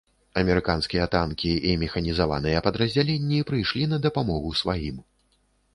Амерыканскія танкі і механізаваныя падраздзяленні прыйшлі на дапамогу сваім.